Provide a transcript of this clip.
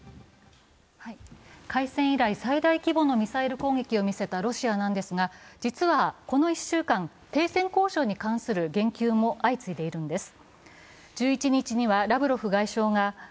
開戦以来最大規模のミサイル攻撃を見せたロシアなんですが、実はこの１週間、停戦交渉に関する言及も相次いでいるんです。